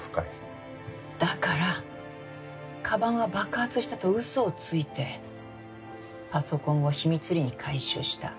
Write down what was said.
だから鞄は爆発したと嘘をついてパソコンを秘密裏に回収した。